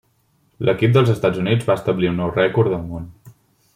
L'equip dels Estats Units va establir un nou rècord del món.